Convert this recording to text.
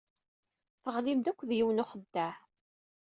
Teɣlim-d akked yiwen n uxeddaɛ.